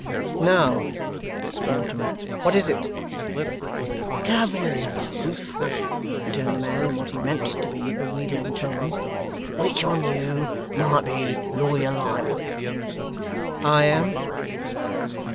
'Now,' said Mortimer, 'what is it?' 'Governors Both,' returned the man, in what he meant to be a wheedling tone, 'which on you might be Lawyer Lightwood?' 'I am.